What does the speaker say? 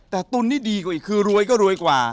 แต่ตุนนี่ดีกว่าอีกคือรวยก็รวยกว่า